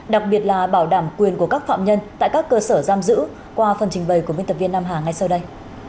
đặc biệt là bảo đảm quyền của các phạm nhân tại các cơ sở giam giữ qua phần trình bày của biên tập viên nam hà ngay sau đây